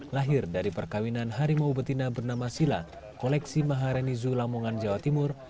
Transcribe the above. lahir dari perkawinan harimau betina bernama sila koleksi maharani zoo lamongan jawa timur